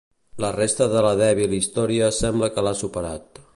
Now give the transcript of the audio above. La resta de la dèbil història sembla que l'ha superat.